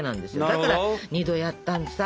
だから２度やったのさ。